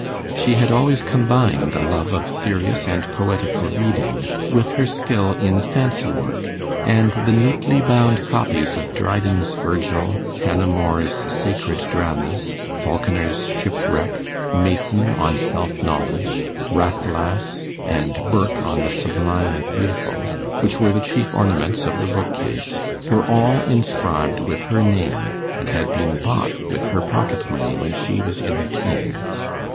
She had always combined a love of serious and poetical reading with her skill in fancy work, and the neatly bound copies of Dryden's 'Virgil,' Hannah More's 'Sacred Dramas,' Falconer's 'Shipwreck,' Mason 'On Self Knowledge,' 'Rasselas,' and Burke 'On the Sublime and Beautiful,' which were the chief ornaments of the bookcase, were all inscribed with her name, and had been bought with her pocket money when she was in her teens.